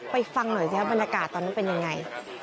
ฟังหน่อยสิครับบรรยากาศตอนนั้นเป็นยังไง